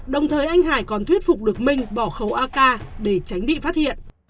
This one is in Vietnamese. đồng thời anh hải còn thuyết phục được minh bỏ khẩu ak để tránh bị phát hiện